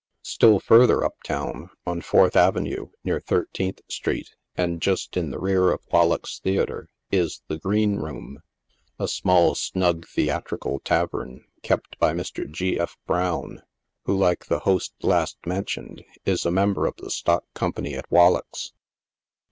Still further up town, on Fourth avenue, near Thirteenth street, and just in the rear of Wallack's Theatre, is The Green Room, a small, snug, theatrical tavern, kept by Mr. G. F. Browne, who, like the host last mentioned, is a member of the stock company at Wal lack's.